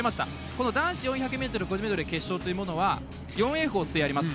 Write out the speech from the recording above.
この男子４００ｍ個人メドレー決勝というものは４泳法やります。